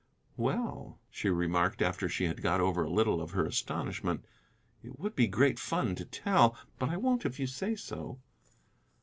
"Well," she remarked, after she had got over a little of her astonishment, "it would be great fun to tell, but I won't if you say so."